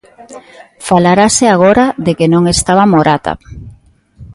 Falarase agora de que non estaba Morata.